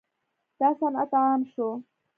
دا صنعت عام شو.